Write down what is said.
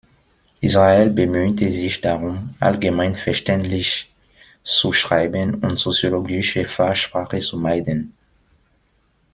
Israel bemühte sich darum, allgemeinverständlich zu schreiben und soziologische Fachsprache zu meiden.